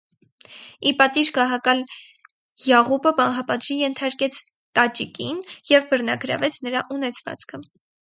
Ի պատիժ գահակալ Յաղուբը մահապատժի ենթարկեց տաճիկին և բռնագրավեց նրա ունեցվածքը։